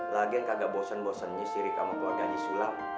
lagian kagak bosan bosannya sendiri sama keluarga di sulap